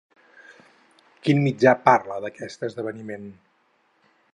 Quin mitjà parla d'aquest esdeveniment?